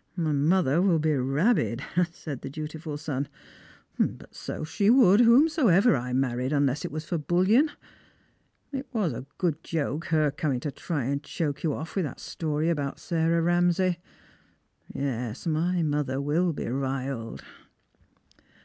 " My mother will be rabid," said the dutiful son ;" but so she woiild whomsoever I married, unless it was for bullion. It was a good joke her coming to try and choke you off with that story about Sarah Ramsay. Yes ; my lOother will be riled."